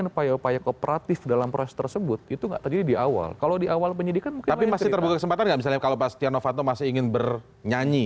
serangkaian upaya upaya kooperatif dalam proses tersebut itu enggak terjadi di awal kalau di awal penyidikan mungkin masih terbuka kesempatan enggak kalau pak stiano vanto masih ingin bernyanyi